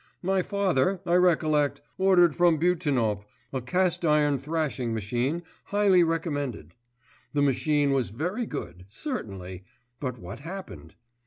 My father, I recollect, ordered from Butenop a cast iron thrashing machine highly recommended; the machine was very good, certainly but what happened?